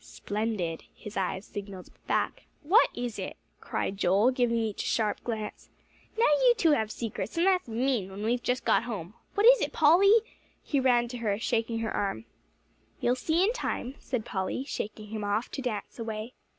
"Splendid!" his eyes signalled back. "What is it?" cried Joel, giving each a sharp glance. "Now you two have secrets; and that's mean, when we've just got home. What is it, Polly?" He ran to her, shaking her arm. "You'll see in time," said Polly, shaking him off, to dance away.